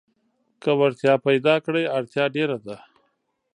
که وړتيا پيداکړې اړتيا ډېره ده.